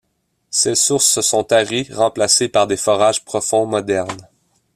Ces sources se sont taries, remplacées par des forages profonds modernes.